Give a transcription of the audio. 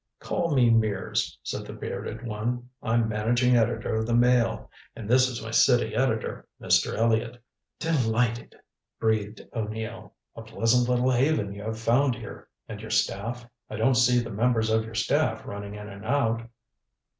"Call me Mears," said the bearded one. "I'm managing editor of the Mail. And this is my city editor, Mr. Elliott." "Delighted," breathed O'Neill. "A pleasant little haven you have found here. And your staff I don't see the members of your staff running in and out?"